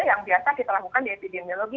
yang biasa kita lakukan di epidemiologi